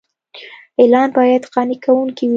اعلان باید قانع کوونکی وي.